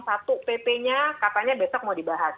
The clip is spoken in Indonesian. satu pp nya katanya besok mau dibahas